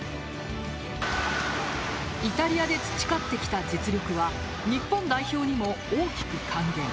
イタリアで培ってきた実力は日本代表にも大きく還元。